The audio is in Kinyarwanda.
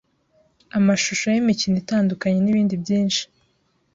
ama shusho y’imikino itandukanye nibindi byinshi.